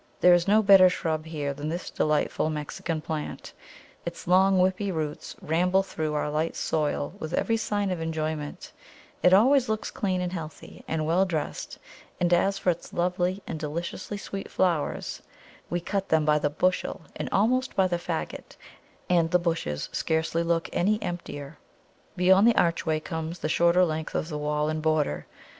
There is no better shrub here than this delightful Mexican plant; its long whippy roots ramble through our light soil with every sign of enjoyment; it always looks clean and healthy and well dressed, and as for its lovely and deliciously sweet flowers, we cut them by the bushel, and almost by the faggot, and the bushes scarcely look any the emptier. Beyond the archway comes the shorter length of wall and border.